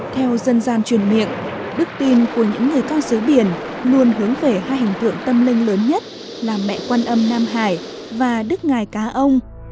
theo dân gian truyền miệng đức tin của những người con dưới biển luôn hướng về hai hình tượng tâm linh lớn nhất là mẹ quan âm nam hải và đức ngài cá ông